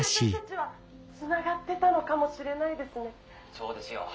「そうですよ。